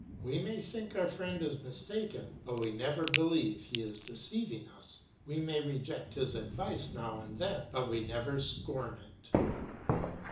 We may think our friend is mistaken, but we never believe he is deceiving us. We may reject his advice now and then, but we never scorn it.